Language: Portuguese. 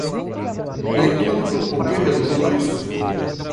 Nem tudo o que reluz